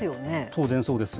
当然そうです。